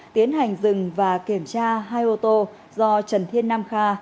tiến hành dừng và kiểm tra hai ô tô do trần thiên nam kha